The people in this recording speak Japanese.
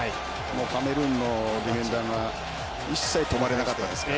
カメルーンのディフェンダーが一切止まれなかったですね。